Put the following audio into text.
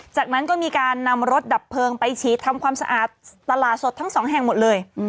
จากนั้นก็มีการนำรถดับเพลิงไปฉีดทำความสะอาดตลาดสดทั้งสองแห่งหมดเลย